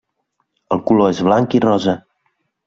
El color és blanc i rosa.